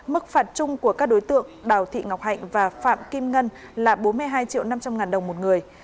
mức phạt chung của các đối tượng đào thị ngọc hạnh và phạm kim ngân là bốn mươi hai triệu năm trăm linh ngàn đồng một người